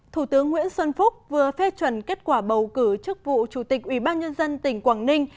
thủ tướng nguyễn xuân phúc vừa phê chuẩn kết quả bầu cử chức vụ chủ tịch ủy ban nhân dân tỉnh quảng ninh